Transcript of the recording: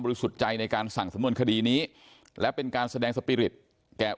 สุดใจในการสั่งสำนวนคดีนี้และเป็นการแสดงสปีริตแก่